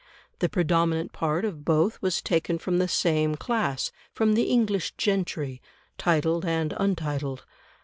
The predominant part of both was taken from the same class from the English gentry, titled and untitled.